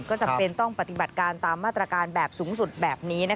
ก็จำเป็นต้องปฏิบัติการตามมาตรการแบบสูงสุดแบบนี้